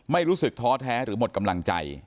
ไม่รู้สึกท้อแท้หรือหมดกำลังใจ